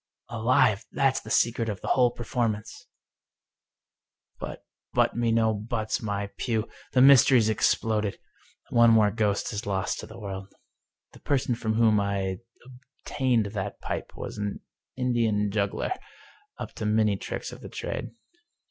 " Alive ! That's the secret of the whole performance !"« But "" But me no buts, my Pugh ! The mystery's exploded ! One more ghost is lost to the world 1 The person from whom I obtained that pipe was an Indian juggler — up to many tricks of the trade.